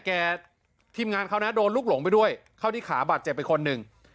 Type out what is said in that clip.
ทีมงานเขานะโดนลูกหลงไปด้วยเข้าที่ขาบาดเจ็บไปคนหนึ่ง